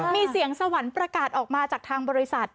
มีเสียงสวรรค์ประกาศออกมาจากทางบริษัท